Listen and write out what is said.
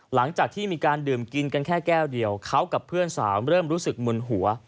หลังจากที่มีการดื่มกินกันแค่แก้วเดียวเขากับเพื่อนสาวเริ่มรู้สึกมึนหัว